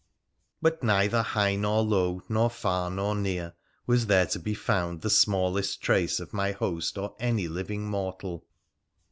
But neither high nor low, nor far nor near, was there to be found the smallest trace of my host or any living mortal.